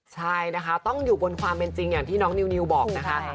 ใช่นะคะต้องอยู่บนความเป็นจริงอย่างที่น้องนิวบอกนะคะ